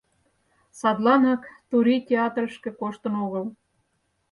Садланак Турий театрышке коштын огыл.